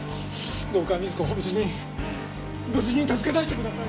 どうか瑞子を無事に無事に助け出してください！